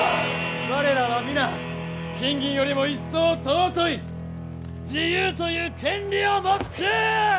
我らは皆金銀よりも一層尊い自由という権利を持っちゅう！